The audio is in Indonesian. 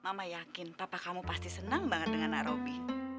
mama yakin papa kamu pasti senang banget dengan arobi